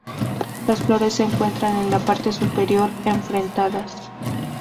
Las flores se encuentran en la parte superior enfrentadas.